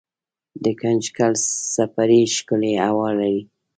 دګنجګل څپری ښکلې هوا لري